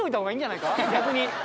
逆に。